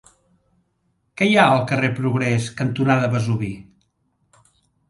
Què hi ha al carrer Progrés cantonada Vesuvi?